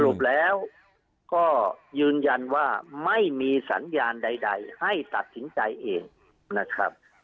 รุปแล้วก็ยืนยันว่าไม่มีสัญญาณใดให้ตัดสินใจเองนะครับ